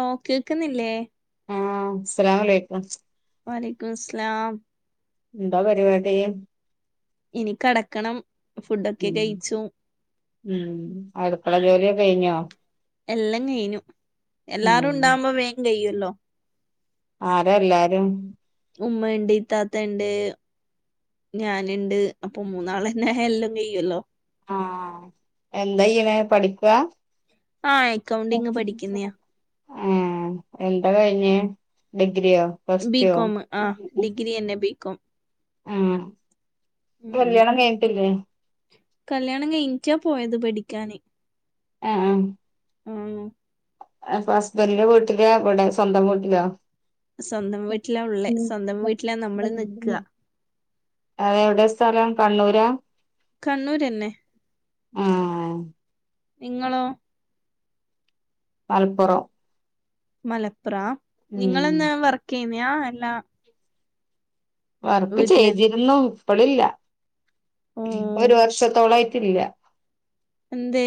ആ കേക്കുന്നില്ലേ ആഹ് അസ്സലാമൊലൈകും വലൈക്കുംമുസ്സലാം എന്താ പരുവാടി ഇനി കടക്കണം ഫുഡൊക്കെ ഉം കഴിച്ചു ഉം അട്ക്കള ജോലിയൊ കയിഞ്ഞോ എല്ലാം കൈഞ്ഞു എല്ലാരും ഉം ഉണ്ടാവുമ്പോ വേഗം കഴ്യുല്ലോ ആര എല്ലാരും ഉമ്മ ഇണ്ട് താത്ത ണ്ട് ഞാന്ണ്ട് അപ്പൊ മൂന്നാളെന്നായല്ലോ എല്ലം കഴ്യുല്ലോ ആഹ് എന്തായ്യ്ണെ പഠിക്കാ ആഹ് എക്കൗണ്ടിങ്ങ് പഠിക്കുന്നയാ ഏഹ് എന്താ കൈഞ്ഞ്ട് ഗ്രിയോ ഫസ്റ്റോ? ബികോം ആ ഡിഗ്രി തന്നെ ബികോം ആഹ് കല്ല്യാണം കൈഞ്ഞിട്ടില്ലേ? കല്ല്യാണം കയിഞ്ഞ്ട്ടാ പോയത് പടിക്കാന്. അ ആഹ്. ഉം. അപ്പൊ ഹസ്ബൻന്റെ വീട്ടിലൊ ഇവിടെ സ്വന്തം വീട്ടിലോ? സ്വന്തം വീട്ടിലാ ഉള്ളേ സ്വന്തം വീട്ടിലാ നമ്മള് ന്ന്ക്കാ. അഹ് എവിടെ സ്ഥലം കണ്ണൂരാ? കണ്ണൂരെന്നെ. ആഹ്. നിങ്ങളോ? മലപ്പൊറം. മലപ്പുറാ നിങ്ങളെന്നാ വർക്ക് യ്യുന്ന്യാാ അല്ലാ വർക്ക് ചെയ്തിരുന്നു. ഇപ്പൊളില്ല ഓ ഇപ്പൊ ഒരു വർഷത്തോളായിട്ടില്ല. എന്ത്‌?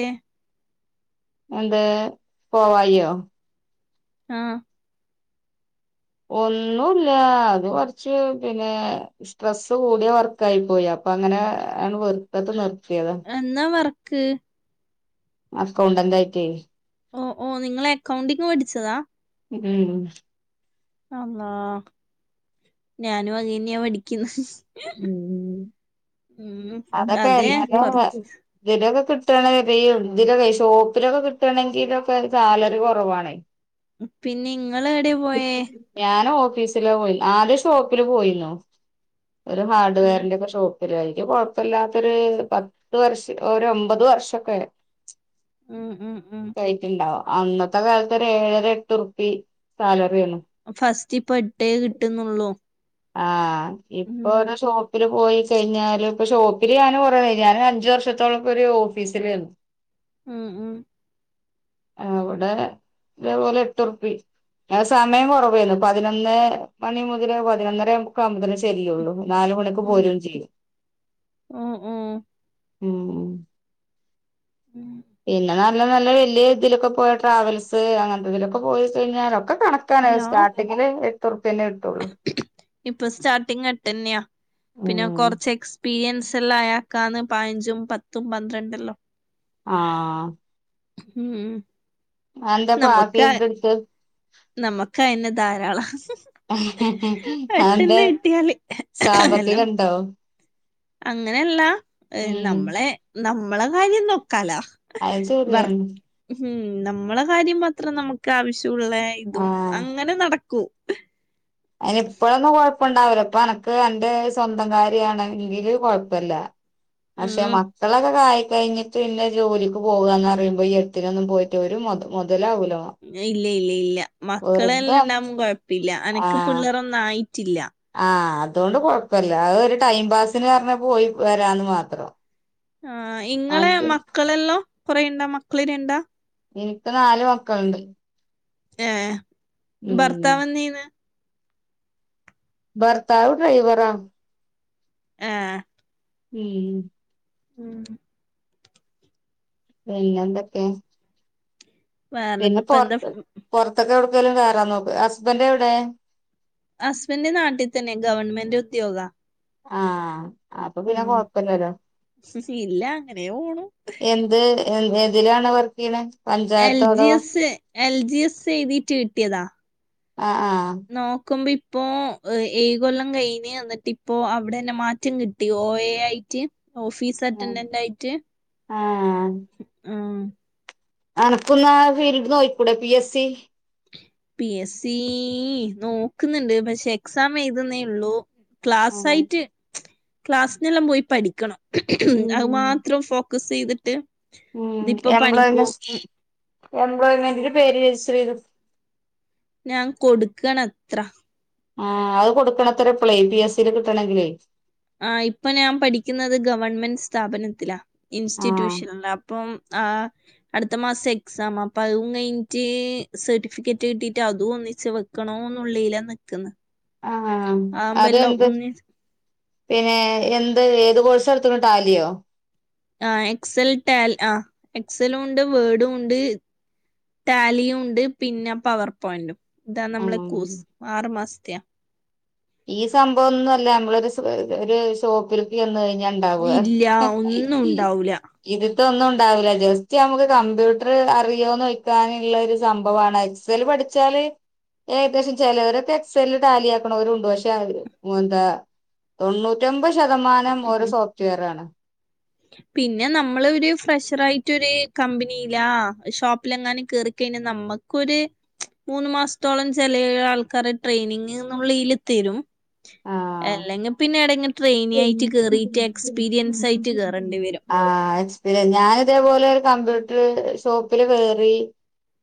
അഎന്തെ പോവായിയൊ? ആഹ്. ഒന്നൂല്ല അത് കുറച്ച് പിന്നെ സ്ട്രെസ്സ് കൂടിയ വർക്ക് ആയി പോയാ അപ്പൊ അങ്ങനെ ആണ് വെറുത്തട്ട് നിർ എന്നാ വർക്ക് അക്കൗണ്ടൻ്റ് ആയിട്ടേ. ഓ ഓ നിങ്ങള് അക്കൗണ്ടിങ്ങ് പഠിച്ചതാ. ഉം അള്ളാ ഞാനും അതെന്നെയാ പഠിക്കുന്നെ. ഉം അതൊക്കെ അതെ എല്ലവരുടെ കൊറച്ച് വിരവൊക്കെ കിട്ടാണ് കയ്യും ഈ ഇതിലൊക്കെ ഷോപ്പിലൊക്കെ കിട്ടാണെങ്കിലൊക്കെ സാലറി കുറവാണ്. പിന്നെ ഇങ്ങള് എവിടെ പോയേ ഓഫീസില് പോയി ആദ്യം ഷോപ്പില് പോയിരുന്നു ഒരു ഹാർഡ് ഉം വെയറിന്റെ ഒക്കെ ഷോപ്പിലായിരിക്കും. കൊഴ പ്പല്ലാത്തൊരു പത്ത് വർഷംഒര് ഒമ്പത് വർഷൊക്കെ ഉം ഉം ഉം ആയിട്ടുണ്ടാവും അന്നത്തെ കാലത്തൊക്കെ ഒരു ഏഴര എട്ട് റുപ്പി സാലറി ഫസ്റ്റ് ഇപ്പൊ എട്ടേ കിട്ടുന്നുള്ളൂ. ആ ഉം ഇപ്പൊ ഒരു ഷോപ്പില് പോയി കഴിഞ്ഞാല് ഇപ്പൊ ഷോപ്പില് ഞാന് കുറെയായി. ഞാന് അഞ്ചു വർഷത്തോളം ഒക്കെ ഒരു ഓഫീസിൽ ഇരുന്നു. ഉം ഉം അവിടെ ഇതേപോലെ എട്ടുറുപ്പി സമയം കൊറവായിരുന്നു. പതിനൊന്ന് മണി മുതല് പതിനൊന്ന ര ക്കെയാവുമ്പഴത്തേന് ചെല്ലൊള്ളൂ. നാലു മണിക്ക് ഉം പോരും ചെയ്യും. ഓ ഓ ഉം ഉം പിന്നെ നല്ല നല്ല വലിയ ഇതിലൊക്കെ പോയ ട്രാവൽസ് അങ്ങനത്തെതിലൊക്കെ പോയി കഴിഞ്ഞാ റ ഒക്കെ കണക്കാണ് ഹലോ സ്റ്റാർട്ടിങ്ങില് എട്ടുറുപ്പ്യന്നെ കിട്ടുള്ളൂ ഇപ്പൊ സ്റ്റാർട്ടിങ്ങ് എട്ടന്നയാ. പിന്നെ കൊറച്ച് എക്സ്പീരിയൻസ് ള്ള അയക്കാന്ന് പതിനഞ്ചും പത്തും പന്ത്രണ്ടല്ലോ. ആ ഉം നമുക്ക് പാഫിയൊക്കെ എടുത്ത് നമക്ക് ക്ക് അയന്നെ ധാരാളാ. അതെന്താ പെട്ടെന്ന് കിട്ടിയാല് എല്ലാം സാമ്പത്തികം ഉണ്ടോ അങ്ങനെയല്ല. ഉം നമ്മളെ നമ്മളെ കാര്യം നോക്കാലാ അത് ഭർ ശരിയാണ് ഉം നമ്മളെ കാര്യം മാത്രം നമുക്ക് ആവശ്യമുള്ള ഇതും അങ്ങനെ നടക്കൂ അതിനിപ്പഴൊന്നും കൊഴപ്പം ഇണ്ടാവില്ല അപ്പൊ എനക്ക് എന്റെ സ്വന്തം കാര്യാണെങ്കില് കൊഴപ്പല്ല. പക്ഷെ ഉം മക്കളൊക്കെ കാര്യ കഴിഞ്ഞിട്ട് പിന്നെ ജോലിക്ക് പോകുകാന്ന് പറയുമ്പോ ഈ എട്ടിനൊന്നും പോയിട്ട് ഒരു മൊത മൊതലാവൂല്ല ഇല്ല ഇല്ല ഇല്ല മക്കളെല്ലാം വെറുതെ ഉണ്ടാവുമ്പോ കുഴപ്പില്ല എനക്ക് ആഹ് പിള്ളേരൊന്നും ആയിട്ടില്ല. ആഹ് അതുകൊണ്ട് കൊഴപ്പല്ല. അത് ഒരു ടൈം പാസിന് പറഞ്ഞ് പോയി വരാന്ന് മാത്രം. ആ ഇങ്ങളെ മറ്റ് മക്കളെല്ലോ കൊറേണ്ടാ മക്കള് രണ്ടാ എനിക്ക് നാല് മക്കളുണ്ട് ഏ ഉം ഭർത്താവ് എന്ന് ചെയ്യ്ന്ന് ഭർത്താവ് ഡ്രൈവറാ ആ ഉം ഉം പിന്നെ എന്തൊക്കെ. പിന്നെ വേറെന്നിപ്പ എന്താ പുറത്ത് പുറത്തൊക്കെ എവിടക്കലും കയറാൻ നോക്ക് ഹസ്ബൻഡ് എവിടെ ഹസ്ബൻഡന്റെ നാട്ടിൽ തന്നെ ഗവൺമെന്റ ഉദ്യോഗാ ആ അപ്പൊ പിന്നെ ഉം കൊഴപ്പില്ലരോ ഇല്ല അങ്ങനെ പോണു എന്ത് എ ഏതിലാണ് വർക്ക് ചെയ്യണെ എൽ പഞ്ചായത്തോ അതോ G S L G S എഴുതീട്ട്‌ കിട്ടിയതാ. ആഹ് നോക്കുമ്പ ഇപ് ഇപ്പോ ഏഴ് കൊല്ലം കഴിഞ്ഞ് എന്നിട്ട് ഇപ്പോ അവിടെ ന്നെ മാറ്റം കിട്ടി ഓയെ ആയിട്ട് ഓഫീസ് ആഹ് അറ്റൻഡന്റ ആയിട്ട് ആഹ് ആ അനക്കൊന്ന് ആ ഫീൽഡ് നോയിക്കൂടെ P S C P S C നോക്കുന്ന്ണ്ട് പക്ഷേ എക്സാം എഴുതുന്നേ ഉള്ളു. ക്ലാസ്സ് ഉം ആയിട്ട് ക്ലാസിനെല്ലാം പോയി പഠിക്കണം അത് മാത്രം ഫോ ഫോക്കസ് ചെയ്തിട്ട് ഉ ഇതിപ്പോ പണിക്ക് എംപ്ലോയ്മെന് പോക്കും എംപ്ലോയ്മെന്റിന്റെ പേര് സ് [inaudible] ഞാൻ കൊടുക്കണ അത്ര ആ അത് കൊടുക്കണത്ര എപ്പളേ പി എസ് സി ൽ കിട്ടണെങ്കിലേ - - ആ ഇപ്പൊ ഞാൻ പഠിക്കുന്നത് ഗവൺമെന്റ സ്ഥാപനത്തിലാ ആഹ് ഇൻസ്റ്റിറ്റ്യൂഷനൽ അപ്പം ആ അടുത്ത മാസം എക്സാം അപ്പൊ അതും കഴിഞ്ഞിട്ട് സർട്ടിഫിക്കറ്റ് കിട്ടിട്ട് അതും ഒന്നിച്ച് വെക്കണോന്നുള്ളില നിക്കുന്ന ആഹ് ആതാവുമ്പം എല്ലാം ഒന്നി ഏ എന്ത് ഏത് കോഴ്സ് എടുത്തത് ടാലിയോ ആ എക്സെൽ ടാൽ ആ എക്സെലും ഉണ്ട് വേഡും ഉണ്ട്. ട്ടാലിയും ഉണ്ട് പിന്നെ പവർ പോയിന്റും ഇതാ നമ്മളെ ആഹ് കൂസ് ആറു മാസത്തെയാ ഈ സംഭവം ഒന്നും അല്ല നമ്മളൊരു സ് ഒരു സോക്കിലേക്ക് ചെന്ന്കഴിഞ്ഞ ഉണ്ടാവുക ഇല്ല ഇത് ഒന്നും പ ഉണ്ടാവൂല ഇതൊന്നും ഉണ്ടാവില്ല ജസ്റ്റ് നമുക്ക് കമ്പ്യൂട്ടർ അറിയോ വയ്ക്കാനുള്ള ഒരു സംഭവമാണ് എക്സൽ പഠി ന്ന് ച്ചാല് ഏകദേശം ചെലവരക്കെ എക്സൽ ടാലിയാക്കന്നവരും ഉണ്ട്. പ എന്താ തൊണ്ണൂറ്റി ഒമ്പത് ശതമാനം ഒരു ഉം. സോഫ്റ്റ്വെയർ ആണ് പിന്നെ നമ്മൾ ഒരു ഫ്രഷറ ആയിട്ടൊരു കമ്പനിയിലാ ഷോപ്പില എങ്ങാനും കേറിക്കഞ്ഞ നമ്മ ക്കൊരു മൂന്ന് മാസത്തോളം ചില ആൾക്കാര് ട്രെയിനിങ്ന്നുള്ളിൽ തരും. ആഹ് അല്ലെങ്കിൽ പിന്നെ എടങ്കെ ട്രെയിനി ആയിട്ട് കേറിയിട്ട് എക്സ്പീരിയൻസ് ആയിട്ട് കേറേണ്ടി വരും ആ എക്സ്പീരിയൻ. ഇതേപോലെ ക്യ ട്ട് ഷോപ്പില് കേറി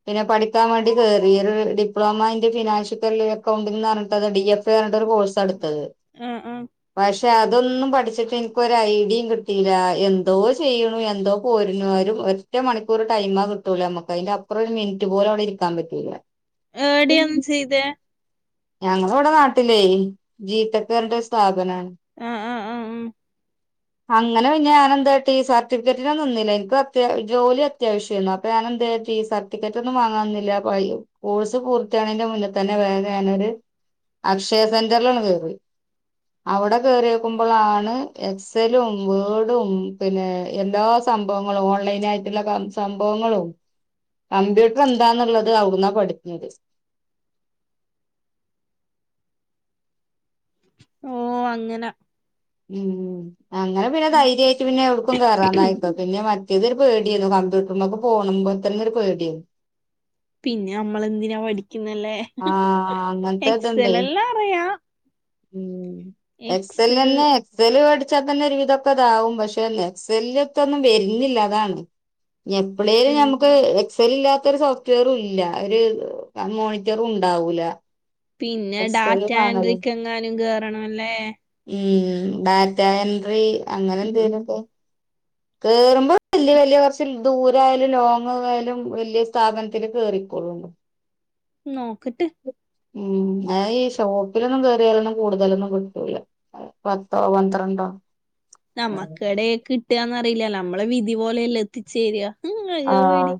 പിന്നെ പഠിക്കാൻ വേണ്ടി കയറി. ഒരു ഡിപ്ലോമ അന്റെ ഫിനാൻഷ്യൽ അക്കൗണ്ടിന്ന് പറഞ്ഞട്ടത് ഡി എഫ് എന്ന് പറഞ്ഞ അടുത്തത് ആഹ് ആഹ് വാഷ് അതൊന്നും പഠിച്ചിട്ട് എനിക്കൊരു ഐഡിയും കിട്ടിയില്ല എന്തോ ചെയ്യണു എന്തോ പോരുണു അ ഒറ്റ മണിക്കൂർ ടൈമ് ആ കിട്ടൂലേ നമ്മുക്ക് അതിനപ്പറം ഒരു മിനിറ്റ് പോലും അവിടെ ഇരിക്കാൻ പറ്റൂല്ല എ ടി എം ചെയ്തേ - - ഞങ്ങള ഇവിടെ നാട്ടിലേ ജീത്തക്കാരുടെ ഒരു സ്ഥാപനാണ് പ ആഹ് ആഹ് ആഹ് ആഹ് അങ്ങനെ പിന്നെ ഞാൻ എന്തോ കിട്ടി സർട്ടിഫിക്കിറ്റിനൊന്നും നിന്നില്ല എനിക്ക് അത്യാ ജോലി അത്യാവശ്യമായിരുന്നു അപ്പൊ ഞാനെന്ത് സർട്ടിഫിക്കറ്റ് ഒന്നും വാങ്ങാ നിന്നില്ല കോഴ്സ് പൂർത്തിയാണന്റെ മുന്നിൽ തന്നെ വേ ഞാനൊരു അക്ഷയ സെന്ററിലാണ് കേറിയത്. അവിടെ കേറിയേക്കുമ്പോഴാണ് എക്സലും വേടും പിന്നെ എല്ലാ സംഭവങ്ങളും ഓൺലൈനാ ആയിട്ടുള്ള കം സംഭവങ്ങളും കമ്പ്യൂട്ടർ എന്താന്നുള്ളത് ആകുന്നാ പഠിക്കുന്നത് ഓ അങ്ങനെ ഉം അങ്ങനെ പിന്നെ ധൈര്യമായിട്ട് പിന്നെ എവിടക്കും കേയറന്നായിട്ട പിന്നെ മ തൊരു പേടിയന്ന കമ്പ്യൂട്ടറിിലൊക്കെ പോണുമ്പോ തന്നെ ഒരു പേടിയരുന്നു പിന്നെ നമ്മള എന്തിനാ പഠിക്കുന്നല്ലേ ആഹ് എക്സൽ എല്ലാം അറിയാം ഉ എക്സ എൽ എക്സൽ തന്നെ എക്സല്പടി ച്ചാൽ തന്നെ ഒരു ഇതൊക്കെ ഇതാാവും പക്ഷെ നെക്സല്ല ഒത്തൊന്നും വരുന്നില്ല അതാണ് എഞപ്പിളിയില് ഉം നമുക്ക് സെൽ ഇല്ലാത്തരു സോഫ്റ്റ്വെയറും ഇല്ല ഒരു മോണിറ്ററ ഉണ്ടാവൂല പിന്നെ എക്സല് ഡാറ്റ എ കാണല് ൻഡ്രിക്ക് എങ്ങാനും കേറണ അല്ലേ ഉം ഡാറ്റ എൻട്രി അങ്ങനെ ഉം എന്തേലുമൊക്കെ കേറൂ അ വലിയ വലിയ കുറച്ച ദൂരായാലും ലോങ്ങയാലും വലിയ സ്ഥാപനത്തില് കേയറിക്കൊള്ളണ്ട് നോക്കിട്ട് ഉം ഈ ഷോപ്പിലൊന്നും കയറിയാലും കൂടുതലൊന്നും കിട്ടൂല പത്തോ പന്ത്രണ്ടോ നമ്മക്കിടെ കിട്ടുകന്ന്റിയില്ല നമ്മളെ വിധി പോലെയ എല്ലാം എത്തിച്ചേരുക ഉ കഴക ആഹ് പേടി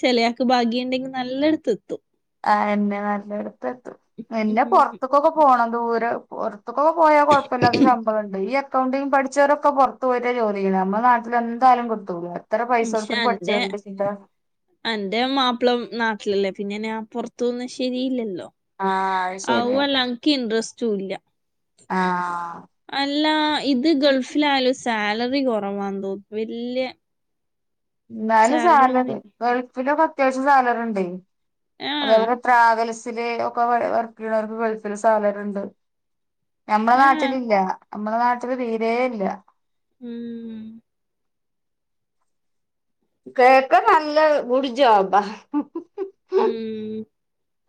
ചെിലയാക്ക് ഭാഗ്യുണ്ടെങ്കിൽ നല്ലടുത്ത് എത്തും ആ എന്നെ നല്ലയിടത്ത് എത്ത എന്നെ പുൊറത്തക്കൊക്കെ പോണം ദൂരെറത്ത് ഒക്കൊക്കെ പോയാ കുഴപ്പമില്ലാത്ത സംഭവംുണ്ട് ഈ അക്കൗണ്ടി പഠിച്ചവരൊക്കെറത്തത്ത് പോയിട്ട ജോലി ചെയ്യ നമ്മ നാട്ടെ എന്താലും കൊടുത്ത പോ പക്ഷ എന്റെറെ എ്ന്റെ മാപ്പിളം നാട്ടിലല്ലേ പിന്നെ ഞാൻ പുറത്തുന്ന ശരിയില്ലല്ലോ ആഹ് അത് അതു ശരിയാ ആല്ലനിക്ക് ഇൻട്രസ്റ്റും ഇല്ല ആ അല്ല ഇത് ഗൾഫിലായാലും സാലറി കുറവാ തോന്നും വല്യ എന്നാലും സാലറി ഗൾഫിലക്കെ അത്യാവശ്യം സാലറി ഉണ്ട ആഹ് അതേപോലെ ട്രാവൽസില് ഒക്കെ വർക്ക് ചെയ്യുന്നവർക്ക് ഗൾഫില് സാധര് ഉണ്ട് നമ്മളെ ആഹ് നാട്ടിലില്ല നമ്മളെ നാട്ടില് തീര ഇല്ല ഉം കേക്ക നല്ല കുടജമ്പാ ഉം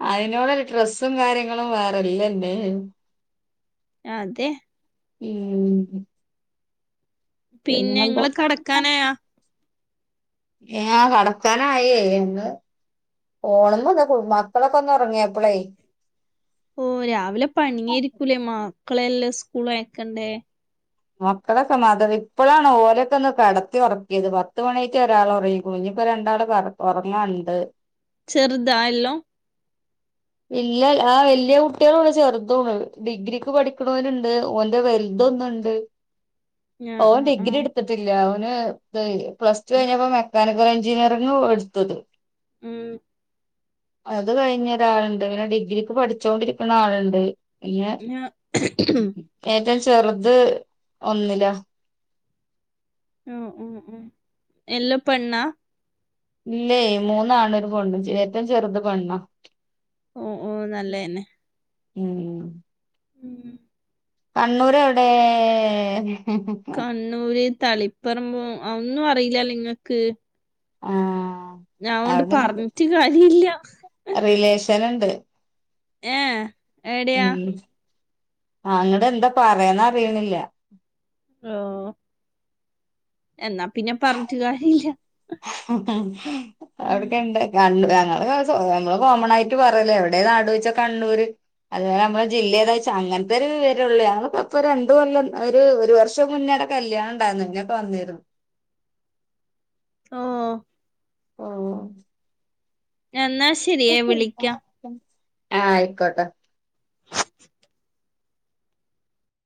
അതിനോട് ഡ്രസ്സും കാര്യങ്ങളും വേറെല്ലന്നെ ആ അതെ ഉം പിന്നെ പിന്നെന്താ ഇങ്ങള് കടക്കാനയാാ ഏ കടക്കാനായി എന്ന് പോണ അതൊ മക്കളൊക്കെ ഒന്ന് ഉറങ്ങിയ എപ്പളേ ഓ രാവിലെ പണിയായിരിക്കൂലേ മക്കളെല്ലാം സ്കൂള ആക്കണ്ടേ മക്കളൊക്കെ മാത്രം ഇപ്പോഴാണ് ഓരൊക്ക ഒന്ന് കടത്തി ഉറക്കിയത് പത്ത് മണിട്ട് ഒരാൾ ഉറങ്ങി കുളഞ്ഞ ഇപ്പൊ രണ്ടാടെറങ്ങണ്ട് ചെറുതാ എല്ലോ ഇല്ല ആ വല്യ കുട്ടികളണ് ചെറുതോണ് ഡിഗ്രിക്ക് പഠിക്കണവനുണ്ട് ഓന്റെ വലത ന്നണ്ട് ആഹ് ഓൻ ആഹ് ഡിഗ്രി ആഹ് എടുത്തിട്ടില്ല അവന് പ്ലസ് ടു കഴിഞ്ഞപ്പോ കാനിക്കല എഞ്ചിനീയറിംഗ എടുത്തത് ഉം അത് കഴിഞ്ഞ ഒരാളുണ്ട് പിന്നെ ഡിഗ്രിക്ക് പഠിച്ചോണ്ടിരിക്കുന്ന ആളുണ്ട് പിന്നെ ആ ഓ ഏറ്റവും ചെറുത് ഒന്നില്ലോ ഓ ഓ ഉഓ എല്ലാം പെണ്ണാ ഇല്ലേ മൂന്നാണ് ഒരു പെണ്ണും ഏറ്റവും ചെറുത് പെണ്ണ ഓ ഓ നല്ലതന്നെ ഉം മം കണ്ണൂര് എവിടെ? കണ്ണൂര് തളിപ്പറമ്പ ഒന്നും അറിയില്ല നിങ്ങൾക്ക്? ആഹ് ഞാ ഒണ്ട് അവിടെ പറഞ്ഞിട്ട് കാര്യല്ല. ചെലണ്ട്. ഏ എടയാ? ആ അങ്ങടെ എന്താ പറയാന്ന അറിയണില്ല. ആഹ് എന്നാ പിന്നെ പറഞ്ഞിട്ടു കാര്യല്ല. ഉം അവിടക്ക ഇണ്ട് കണ്ടു. ഞ നമ്മള് കോമൺ ആയിട്ട് പറയല എവിടെ നാട് വെച്ചാൽ കണ്ണൂര്. അതുപോലെ നമ്മള് ജില്ലേതാ വച്ച അങ്ങനത്തെ ഒരു പേരെള്ളൂ നക്കപ്പ രണ്ട കൊല്ലം ഒരു ഒരു വർഷം മുന്നേ. ടെ കല്യാണ ഉണ്ടായിന്ന ഇങ്ങൊക്കെ വന്നിരുന്നു. ആഹ് ഓ- എന്നാ ശരിയേ വിളിക്കാം. ആഹ് ആയിക്കോട്ടെ.